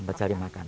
tempat cari makan